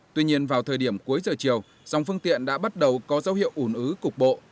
tuy nhiên vào thời điểm cuối giờ chiều dòng phương tiện đã bắt đầu có dấu hiệu ủn ứ cục bộ